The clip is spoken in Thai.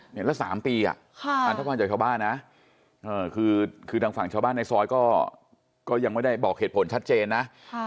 เห็นรักษา๓ปีอะท่าภาทในชาวบ้านคือทางชาวบ้านในซอยก็ยังไม่ได้บอกเหตุผลแช็ดเจนนะ